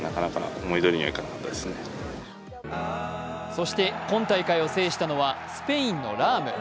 そして、今大会を制したのはスペインのラーム。